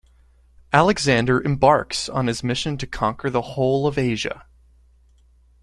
Alexander embarks on his mission to conquer the whole of Asia.